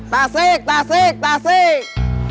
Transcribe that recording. tasik tasik tasik